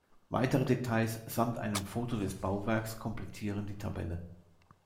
Weitere Details samt einem Foto des Bauwerks komplettieren die Tabelle.